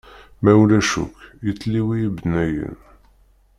Ma ulac akk, yettliwi ibennayen.